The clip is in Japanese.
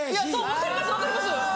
分かります分かります。